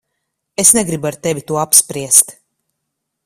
Es negribu ar tevi to apspriest.